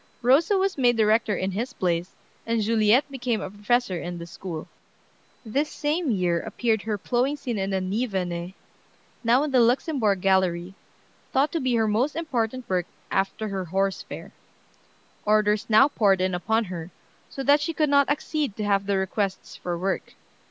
Rosa was made director in his place, and Juliette became a professor in the school. This same year appeared her "Plowing Scene in the Nivernais," now in the Luxembourg Gallery, thought to be her most important work after her "Horse Fair." Orders now poured in upon her, so that she could not accede to half the requests for work.